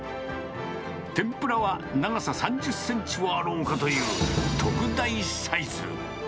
天ぷらは長さ３０センチはあろうかという特大サイズ。